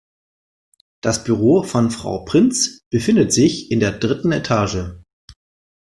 Das Büro von Frau Prinz befindet sich in der dritten Etage.